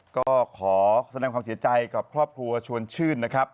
ก็ขอแสดงความเสียใจกับครอบครัวชวนชื่นนะครับ